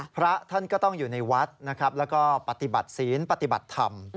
พระท่านก็ต้องอยู่ในวัดนะครับแล้วก็ปฏิบัติศีลปฏิบัติธรรม